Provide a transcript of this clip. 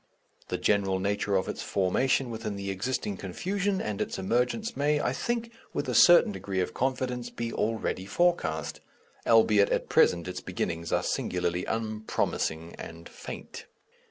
The general nature of its formation within the existing confusion and its emergence may, I think, with a certain degree of confidence, be already forecast, albeit at present its beginnings are singularly unpromising and faint.